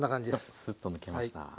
スッと抜けました。